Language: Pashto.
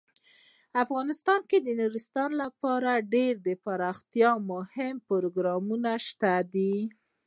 افغانستان کې د نورستان لپاره ډیر دپرمختیا مهم پروګرامونه شته دي.